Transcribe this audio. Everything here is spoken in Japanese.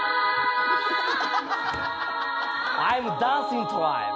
アイムダンシングトライブ。